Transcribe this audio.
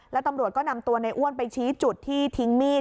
แล้วตำรวจก็นำตัวในอ้วนไปชี้จุดที่ทิ้งมีด